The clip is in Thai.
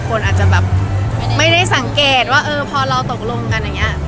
คนอาจจะแบบไม่ได้สังเกตว่าเออพอเราตกลงกันอย่างนี้